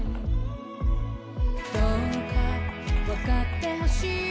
「どうか分かって欲しいよ」